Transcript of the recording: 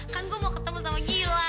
kan gue mau ketemu sama gila